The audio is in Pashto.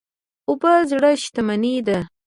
اوبه زر شتمني ده.